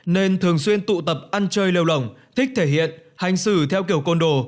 nên thường xuyên tụ tập ăn chơi lêu lỏng thích thể hiện hành xử theo kiểu côn đồ